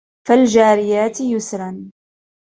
فالجاريات يسرا